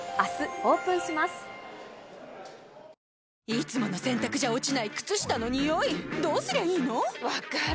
いつもの洗たくじゃ落ちない靴下のニオイどうすりゃいいの⁉分かる。